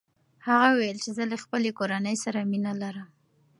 هغه وویل چې زه له خپلې کورنۍ سره مینه لرم.